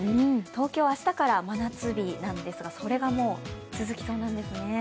東京は明日から真夏日なんですがそれがもう、続きそうなんですね。